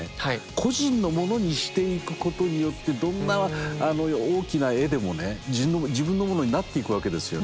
個人のものにしていくことによってどんな大きな絵でも自分のものになっていくわけですよね。